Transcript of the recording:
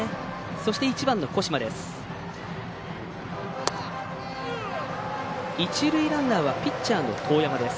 そして１番の後間です。